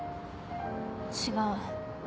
違う。